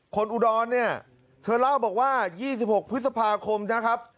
อุดรเนี่ยเธอเล่าบอกว่า๒๖พฤษภาคมนะครับ